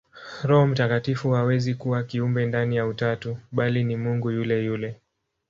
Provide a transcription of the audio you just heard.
Roho Mtakatifu hawezi kuwa kiumbe ndani ya Utatu, bali ni Mungu yule yule.